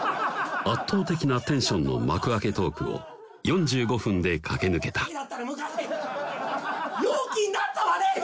圧倒的なテンションの幕開けトークを４５分で駆け抜けた陽気になったわね！